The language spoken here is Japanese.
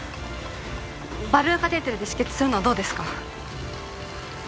バルーンカテーテルで止血するのはどうですか？